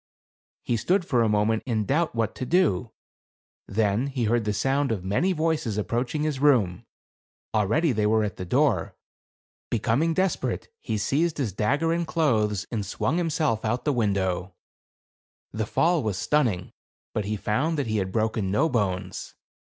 He stood for a moment in doubt what to do ; then he heard the sound of many voices approaching his room ; already they were at the door. Becoming desperate, he seized his dagger and clothes, and swung himself out of the window. The fall was stunning ; but he found that he had broken no bones.